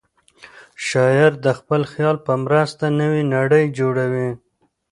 شاعر د خپل خیال په مرسته نوې نړۍ جوړوي.